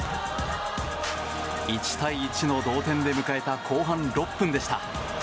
１対１の同点で迎えた後半６分でした。